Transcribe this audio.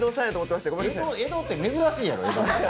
江戸って珍しいやろ。